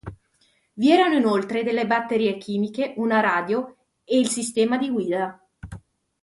Vi erano inoltre delle batterie chimiche, una radio e il sistema di guida.